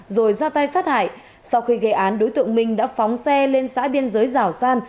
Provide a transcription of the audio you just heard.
rồi ra tay sát hại sau khi gây án đối tượng minh đã phóng xe lên xã biên giới giảo san